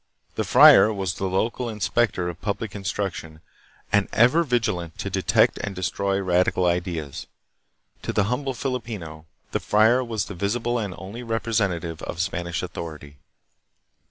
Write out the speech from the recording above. The friar was the local inspector of public instruc PROGRESS AND REVOLUTION. 1837 1897. 263 tion and ever vigilant to detect and destroy radical ideas. To the humble Filipino, the friar was the visible and only representative of Spanish authority.